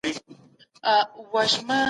زموږ ټولنه د نورو کلتورونو سره تړاو لري.